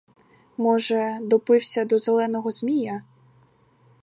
Може, допився до зеленого змія?